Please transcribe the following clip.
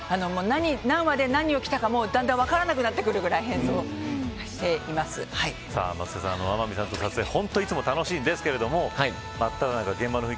何話で何を着たかも分からなくなってくるぐらい松下さん、天海さんとの撮影いつも楽しいんですけど真っただ中